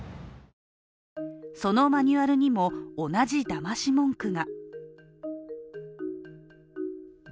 そのマニュアルにも同じだまし文句が。